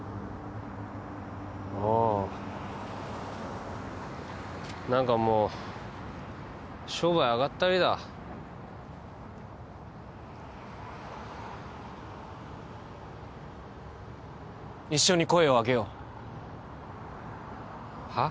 あ何かもう商売あがったりだ一緒に声を上げようはっ？